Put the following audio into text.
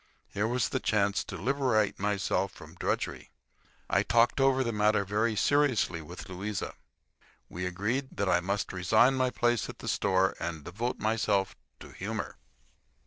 Here was the chance to liberate myself from drudgery. I talked over the matter very seriously with Louisa. We agreed that I must resign my place at the store and devote myself to humor.